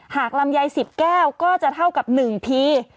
ลำไย๑๐แก้วก็จะเท่ากับ๑ที